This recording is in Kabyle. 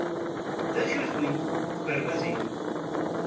D acu-t win, deg ukerbas-nnem?